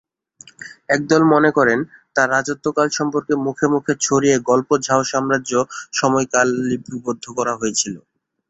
একদল মনে করেন, তার রাজত্বকাল সম্পর্কে মুখে মুখে ছড়িয়ে গল্প ঝাও সাম্রাজ্য সময়কালে লিপিবদ্ধ করা হয়েছিল।